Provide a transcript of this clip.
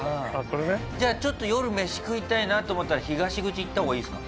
じゃあちょっと夜飯食いたいなと思ったら東口行った方がいいですか？